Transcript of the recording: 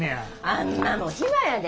あん摩も暇やで。